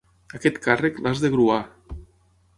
Aquest càrrec, l'has de gruar!